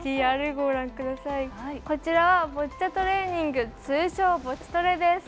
こちらは、ボッチャトレーニング通称ボチトレです。